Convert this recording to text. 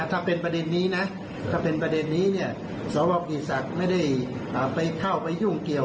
ถ้าเป็นประเด็นนี้นะถ้าเป็นประเด็นนี้เนี่ยสวกิติศักดิ์ไม่ได้ไปเข้าไปยุ่งเกี่ยว